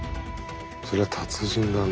そりゃ達人だな。